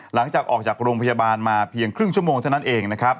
หลังจากออกจากโรงพยาบาลมาเพียงครึ่งชั่วโมงเท่านั้นเองนะครับ